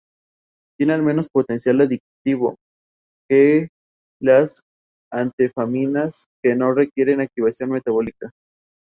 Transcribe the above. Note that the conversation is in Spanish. Usan sus aletas pectorales para desplazarse por el fondo del mar.